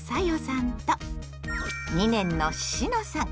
んと２年のしのさん。